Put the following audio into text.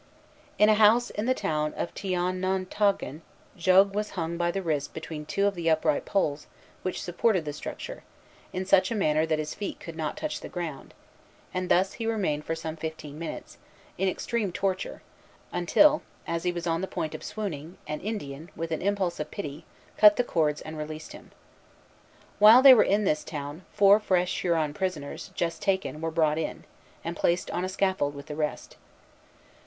In a house in the town of Teonontogen, Jogues was hung by the wrists between two of the upright poles which supported the structure, in such a manner that his feet could not touch the ground; and thus he remained for some fifteen minutes, in extreme torture, until, as he was on the point of swooning, an Indian, with an impulse of pity, cut the cords and released him. While they were in this town, four fresh Huron prisoners, just taken, were brought in, and placed on the scaffold with the rest.